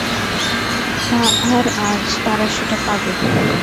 আর আজ, তারা সেটা পাবে।